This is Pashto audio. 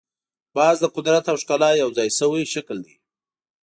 باز د قدرت او ښکلا یو ځای شوی شکل دی